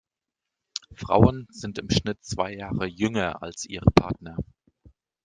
Frauen sind im Schnitt zwei Jahre jünger als ihre Partner.